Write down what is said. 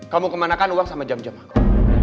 kamu kemana kan uang sama jam jam aku